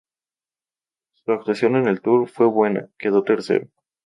Su actuación en el Tour fue buena, quedó tercero.